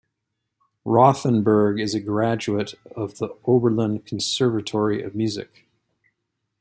Rothenberg is a graduate of the Oberlin Conservatory of Music.